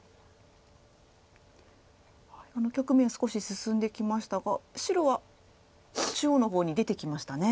局面は少し進んできましたが白は中央の方に出てきましたね。